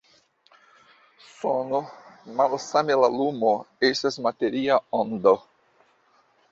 Sono, malsame la lumo, estas materia ondo.